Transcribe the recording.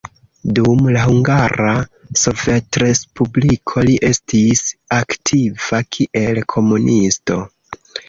Dum la Hungara Sovetrespubliko li estis aktiva kiel komunisto.